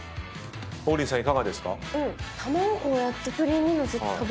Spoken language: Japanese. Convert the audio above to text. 王林さんいかがですか？